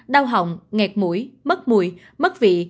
đau hỏng nghẹt mũi mất mũi mất vị